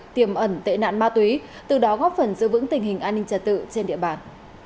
tiềm ẩn tệ nạn ma túy từ đó góp phần giữ vững tình hình an ninh trật tự trên địa bàn